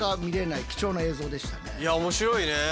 いや面白いね。